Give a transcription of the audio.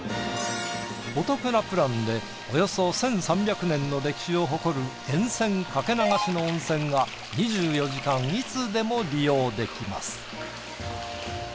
お得なプランでおよそ１，３００年の歴史を誇る源泉かけ流しの温泉が２４時間いつでも利用できます。